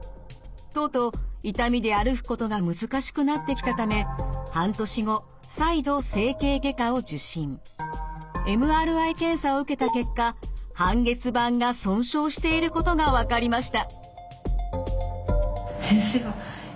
とうとう痛みで歩くことが難しくなってきたためＭＲＩ検査を受けた結果半月板が損傷していることが分かりました。